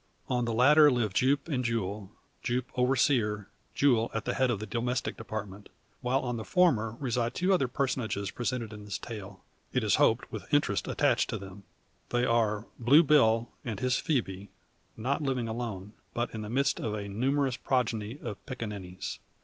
On the latter live Jupe and Jule; Jupe overseer, Jule at the head of the domestic department; while on the former reside two other personages presented in this tale, it is hoped with interest attached to them. They are Blue Bill, and his Phoebe; not living alone, but in the midst of a numerous progeny of piccaninnies.